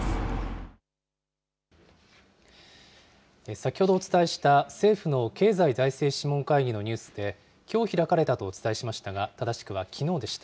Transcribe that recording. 先ほどお伝えした政府の経済財政諮問会議のニュースで、きょう開かれたとお伝えしましたが、正しくはきのうでした。